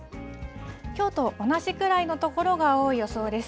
きょうと同じくらいの所が多い予想です。